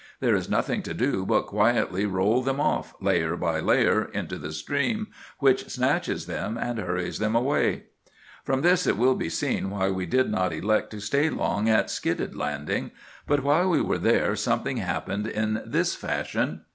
There is nothing to do but quietly roll them off, layer by layer, into the stream, which snatches them and hurries them away. "From this it will be seen why we did not elect to stay long at Skidded Landing. But while we were there something happened in this fashion.